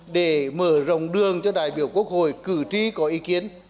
để mở rộng đường cho đại biểu quốc hội cử tri có ý kiến